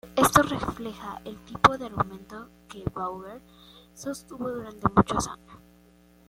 Esto refleja el tipo de argumentos que Bauer sostuvo durante muchos años.